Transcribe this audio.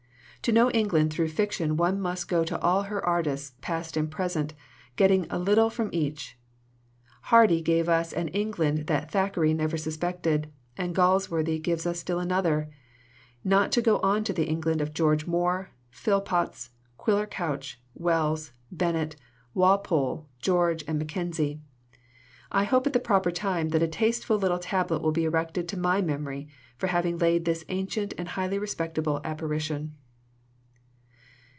"To know England through fiction one must 109 LITERATURE IN THE MAKING go to all her artists, past and present, getting a little from each. Hardy gives us an England that Thackeray never suspected, and Galsworthy gives us still another, not to go on to the England of George Moore, Phillpotts, Quiller Couch, Wells, Bennett, Walpole, George, or Mackenzie. I hope at the proper time that a tasteful little tablet will be erected to my memory for having laid this ancient and highly respectable apparition."